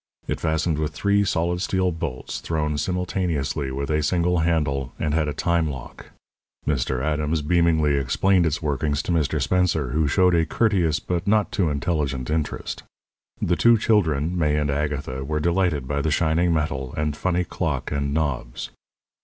It fastened with three solid steel bolts thrown simultaneously with a single handle, and had a time lock. Mr. Adams beamingly explained its workings to Mr. Spencer, who showed a courteous but not too intelligent interest. The two children, May and Agatha, were delighted by the shining metal and funny clock and knobs.